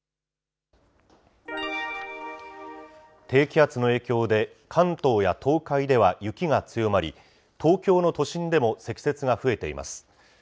低気圧の影響で、関東や東海では雪が強まり、東京の都心でも積雪が増えています。